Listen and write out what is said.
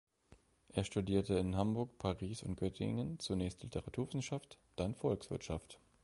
Er studierte in Hamburg, Paris und Göttingen, zunächst Literaturwissenschaft, dann Volkswirtschaft.